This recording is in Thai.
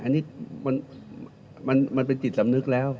อันนี้มันเป็นจิตสำนึกแล้ว